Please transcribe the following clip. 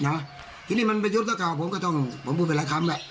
นะทีนี้มันไปยุดแล้วครับผมก็ต้องผมพูดเป็นหลายคำแหละ